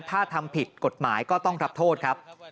ถ้าทำผิดกฎหมายก็ต้องรับโทษครับ